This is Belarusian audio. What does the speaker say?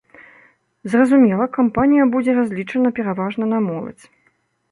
Зразумела, кампанія будзе разлічана пераважна на моладзь.